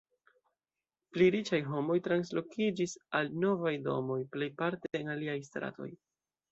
Pli riĉaj homoj translokiĝis al novaj domoj, plejparte en aliaj stratoj.